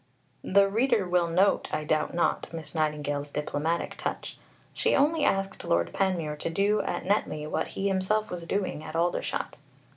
(The reader will note, I doubt not, Miss Nightingale's diplomatic touch; she only asked Lord Panmure to do at Netley what he himself was doing at Aldershot.)